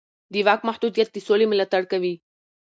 د واک محدودیت د سولې ملاتړ کوي